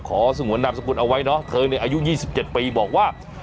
สงวนนามสกุลเอาไว้เนาะเธอเนี่ยอายุ๒๗ปีบอกว่า